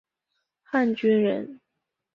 汉军人。